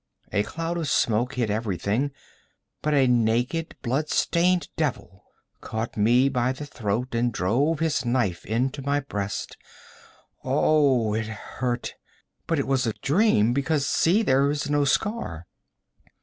A cloud of smoke hid everything, but a naked, blood stained devil caught me by the throat and drove his knife into my breast. Oh, it hurt! But it was a dream, because see, there is no scar.'